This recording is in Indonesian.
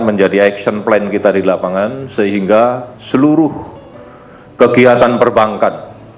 menjadi action plan kita di lapangan sehingga seluruh kegiatan perbankan